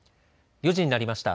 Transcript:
４時になりました。